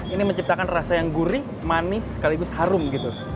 ini menciptakan rasa yang gurih manis sekaligus harum gitu